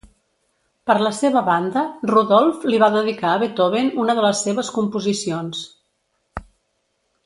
Per la seva banda Rodolf li va dedicar a Beethoven una de les seves composicions.